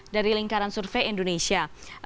dari lingkaran survei indonesia